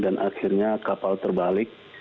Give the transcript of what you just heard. dan akhirnya kapal terbalik